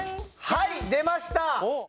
はい出ました。